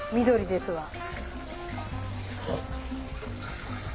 緑ですわ。